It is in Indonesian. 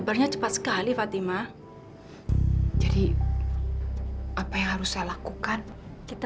sampai jumpa di video selanjutnya